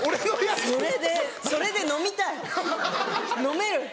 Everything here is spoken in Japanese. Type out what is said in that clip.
それで飲みたい飲める。